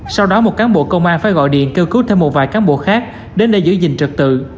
sau đó một cán bộ công an phải gọi điện kêu cứu thêm một vài cán bộ khác đến để giữ gìn trật tự